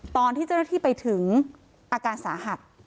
ตอนที่เจ้าหน้าที่ไปถึงอาการสาหัส